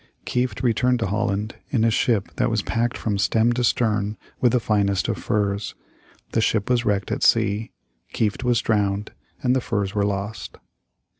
Kieft returned to Holland in a ship that was packed from stem to stern with the finest of furs. The ship was wrecked at sea. Kieft was drowned, and the furs were lost.